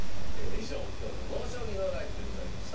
以上今日の「ＮＯ将棋ＮＯＬＩＦＥ」でございました。